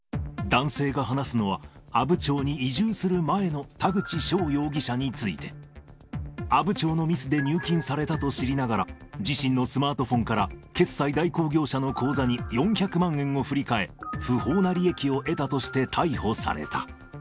男性が話すのは、阿武町に移住する前の田口翔容疑者について、阿武町のミスで入金されたと知りながら、自身のスマートフォンから、決済代行業者の口座に４００万円を振り替え、不法な利益を得たとして逮捕された。